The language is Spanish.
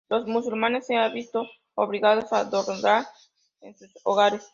Los musulmanes se han visto obligados a adorar en sus hogares.